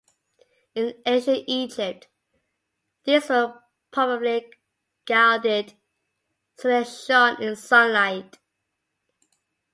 In ancient Egypt, these were probably gilded, so they shone in sunlight.